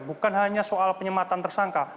bukan hanya soal penyematan tersangka